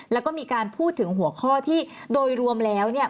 แล้วก็มีการพูดถึงหัวข้อที่โดยรวมแล้ว